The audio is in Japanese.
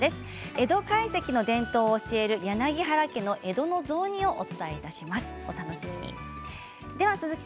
江戸懐石の伝統を教える柳原家の江戸の雑煮をご紹介します。